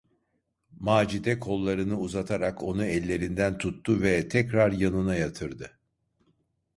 Macide kollarını uzatarak onu ellerinden tuttu ve tekrar yanına yatırdı.